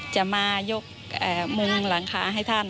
จะมายกมุมหลังคาให้ท่าน